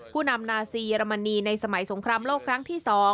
ผู้นำนาซีเยอรมนีในสมัยสงครามโลกครั้งที่๒